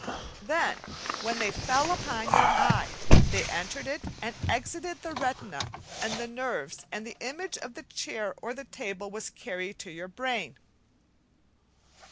Then, when they fell upon your eye, they entered it and excited the retina and the nerves, and the image of the chair or the table was carried to your brain.